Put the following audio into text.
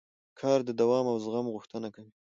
کار د دوام او زغم غوښتنه کوي